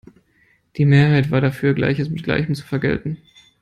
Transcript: Die Mehrheit war dafür, Gleiches mit Gleichem zu vergelten.